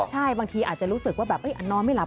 ใช่บางทีอาจจะรู้สึกว่าแบบนอนไม่หลับ